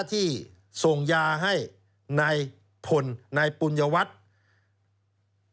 ที่ส่งยาให้นายพนธุ์นายปุญวัฒน์